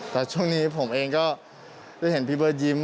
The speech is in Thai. แต่ช่วงนี้ผมเองก็ได้เห็นพี่เบิร์ดยิ้ม